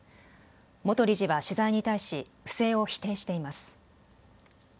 元理事は取材に対し不正を否定しています。